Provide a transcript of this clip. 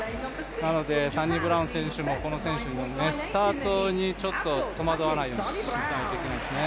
なのでサニブラウン選手もこの選手にスタートにちょっと戸惑わないようにしたいですね。